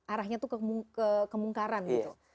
arahnya tuh kemungkaran gitu